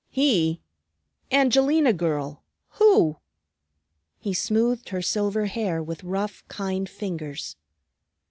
"He? Angelina girl, who?" He smoothed her silver hair with rough, kind fingers.